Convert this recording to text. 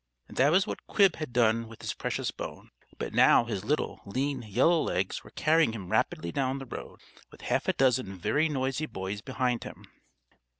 That was what Quib had done with his precious bone; but now his little, lean, yellow legs were carrying him rapidly down the road, with half a dozen very noisy boys behind him.